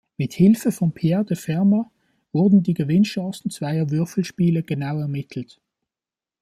Mit Hilfe von Pierre de Fermat wurden die Gewinnchancen zweier Würfelspiele genau ermittelt.